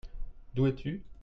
D'où es-tu ?